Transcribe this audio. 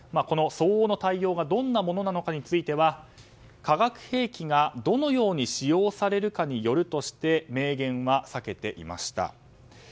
相応の対応がどんなものなのかについては化学兵器がどのように使用されるかによるとして明言は避けていました。